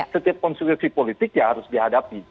setiap konstitusi politik ya harus dihadapi